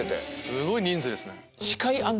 すごい人数ですね。